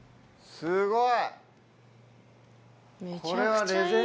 すごい！